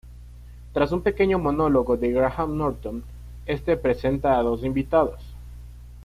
Tras un pequeño monólogo de Graham Norton, este presenta a dos invitados.